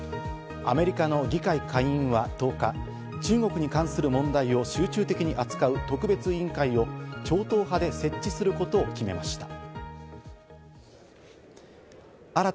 アメリカの議会下院は１０日、中国に関する問題を集中的に扱う特別委員会を超党派で設置することを決めました。